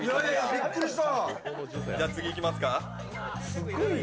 びっくりした。